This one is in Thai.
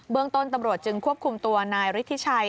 เมืองต้นตำรวจจึงควบคุมตัวนายฤทธิชัย